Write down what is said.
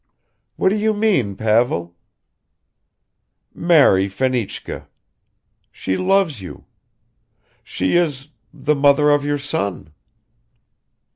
"What do you mean, Pavel?" "Marry Fenichka ... she loves you; she is the mother of your son."